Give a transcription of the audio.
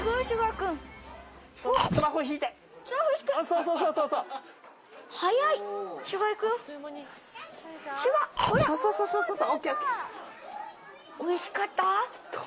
そうそうそうＯＫＯＫおいしかった？